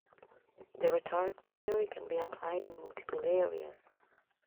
The rhetoric theory can be applied in multiple areas.